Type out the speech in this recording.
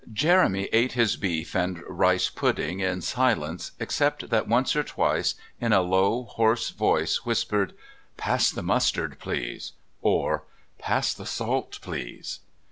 Jeremy ate his beef and rice pudding in silence, except that once or twice in a low, hoarse voice whispered: "Pass the mustard, please," or "Pass the salt, please."